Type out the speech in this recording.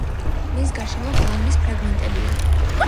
მის გარშემო გალავნის ფრაგმენტებია.